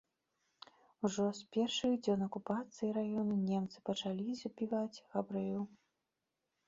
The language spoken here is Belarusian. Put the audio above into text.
Ужо з першых дзён акупацыі раёна немцы пачалі забіваць габрэяў.